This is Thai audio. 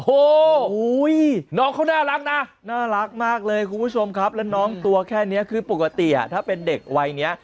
โอ้โหน้องเขาน่ารักนะน่ารักมากเลยคุณผู้ชมครับแล้วน้องตัวแค่นี้คือปกติถ้าเป็นเด็กวัยเนี้ย